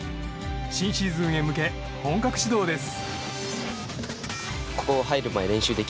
新シーズンへ向け本格始動です。